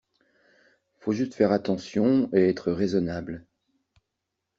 Faut juste faire attention et être raisonnable.